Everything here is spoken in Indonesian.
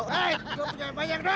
hei gua punya banyak duit